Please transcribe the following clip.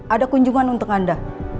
ada kunjungan untuk anda